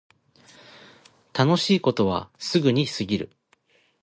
楽しいことはすぐに過ぎる